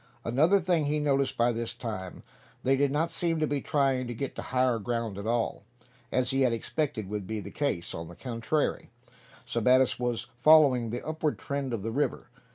Another thing he noticed by this time. They did not seem to be trying to get to higher ground at all, as he had expected would be the case. On the contrary, Sebattis was following the upward trend of the river.